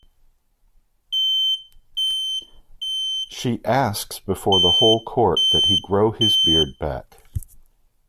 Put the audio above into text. She asks before the whole court that he grow his beard back.